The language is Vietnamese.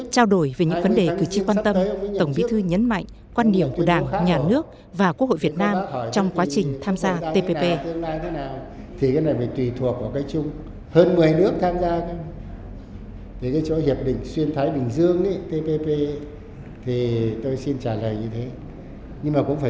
trao đổi về những vấn đề cử tri quan tâm tổng bí thư nhấn mạnh quan điểm của đảng nhà nước và quốc hội việt nam trong quá trình tham gia tpp